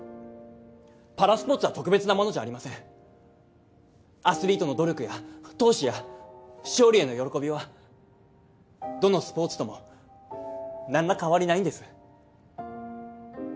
パラスポーツは特別なものじゃありませんアスリートの努力や闘志や勝利への喜びはどのスポーツとも何ら変わりないんです